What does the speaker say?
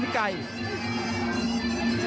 นี่ไว้ก่อน